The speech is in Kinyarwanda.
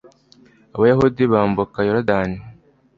abayahudi bambuka yorudani